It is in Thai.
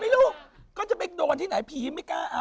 ไม่รู้ก็จะไปโดนที่ไหนผีไม่กล้าอำ